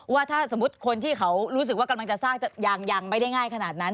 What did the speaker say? ว่าถ้าสมมุติคนที่เขารู้สึกว่ากำลังจะสร้างยังไม่ได้ง่ายขนาดนั้น